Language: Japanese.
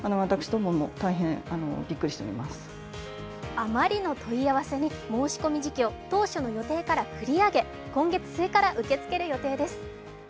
あまりの問い合わせに申し込み時期を当初の予定から繰り上げ今月末から受け付ける予定です。